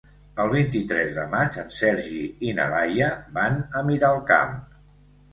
El vint-i-tres de maig en Sergi i na Laia van a Miralcamp.